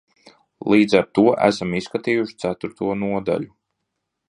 Līdz ar to esam izskatījuši ceturto nodaļu.